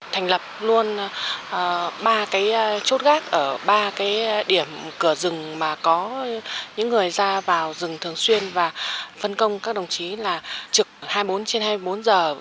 thành lập luôn ba cái chốt gác ở ba cái điểm cửa rừng mà có những người ra vào rừng thường xuyên và phân công các đồng chí là trực hai mươi bốn trên hai mươi bốn giờ